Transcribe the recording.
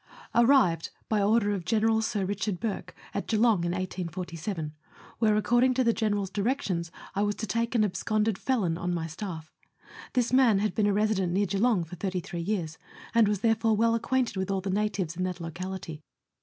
1 Arrived, by order of General Sir Richard Bourke, at Geelong in 1847, where, according to the General's directions, I was to take an absconded felon on my staff. This man had been a resident near Geelong for 33 years, and was therefore well acquainted with all the natives in that locality.